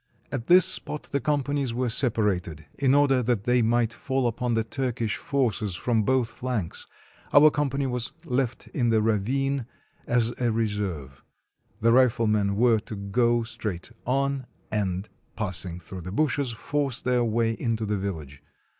At this spot the companies were separated, in order that they might fall upon the Turkish forces from both flanks; our company was left in the ravine, as a reserve. The riflemen were to go straight on, and, passing through the bushes, force their way into the village.